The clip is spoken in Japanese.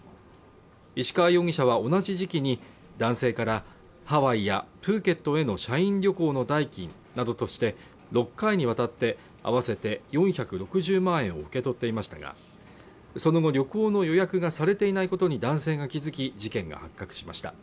石川容疑者は同じ時期に男性からハワイやプーケットへの社員旅行の代金などとして、６回にわたって、あわせて４６０万円を受け取っていましたが、その後旅行の予約がされていないことに男性が気付き、事件が発覚しました。